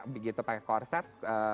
begitu pakai korset